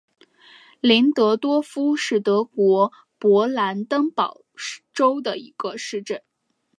林登多夫是德国勃兰登堡州的一个市镇。